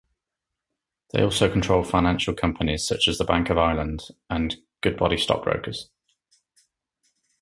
They also controlled financial companies such as the Bank of Ireland and Goodbody Stockbrokers.